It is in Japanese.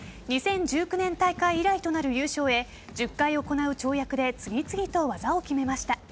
２０１９年大会以来となる優勝へ１０回行う跳躍で次々と技を決めました。